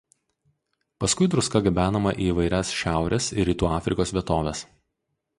Paskui druska gabenama į įvairias "Šiaurės" ir "Rytų Afrikos" vietoves.